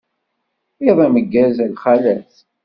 Iḍ ameggaz a lxalat.